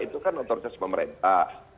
itu kan otoritas pemerintah